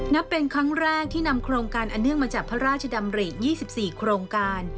นับเป็นครั้งแรกที่นำโครงการอเนื่องมาจากพระราชดำริ๒๔โครงการ